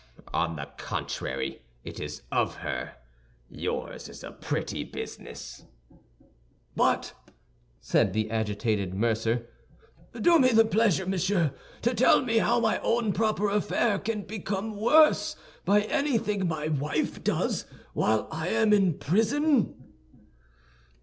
"On the contrary, it is of her. Yours is a pretty business." "But," said the agitated mercer, "do me the pleasure, monsieur, to tell me how my own proper affair can become worse by anything my wife does while I am in prison?"